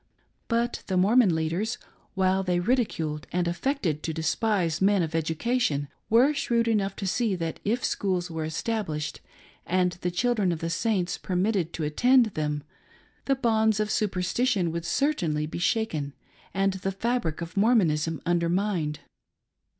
But the Mormon leaders, while they ridiculed and affected to despise men of education, were shrewd enough to see that if schools were established and the children of the Saiijts permitted to attend them, the bonds of superstition would certainly be shaken and the fabric of Mormonism undermined.